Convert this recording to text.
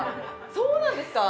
そうなんですか？